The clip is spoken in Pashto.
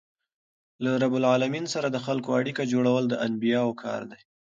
له رب العالمین سره د خلکو اړیکه جوړول د انبياوو کار دئ.